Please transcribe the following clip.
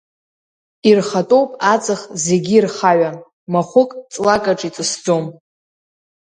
Ирхатәоуп аҵых зегьы ирхаҩан, махәык ҵлакаҿ иҵысӡом.